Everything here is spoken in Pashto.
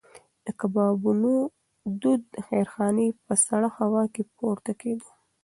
د کبابونو دود د خیرخانې په سړه هوا کې پورته کېده.